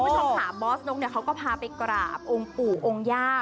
คุณผู้ชมค่ะบอสนกเขาก็พาไปกราบองค์ปู่องค์ย่า